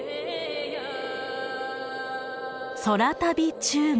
「空旅中国」。